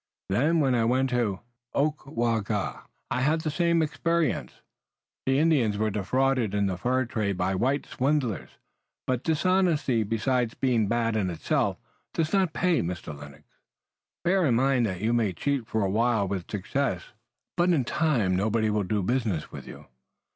Then, when I went to Oghkwaga, I had the same experience. The Indians were defrauded in the fur trade by white swindlers, but dishonesty, besides being bad in itself, does not pay, Mr. Lennox. Bear that in mind. You may cheat for a while with success, but in time nobody will do business with you.